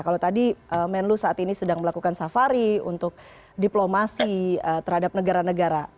kalau tadi menlu saat ini sedang melakukan safari untuk diplomasi terhadap negara negara